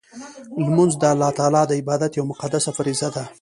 لمونځ د الله تعالی د عبادت یوه مقدسه فریضه ده.